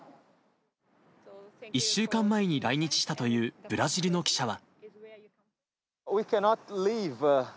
１週間前に来日したというブラジルの記者は。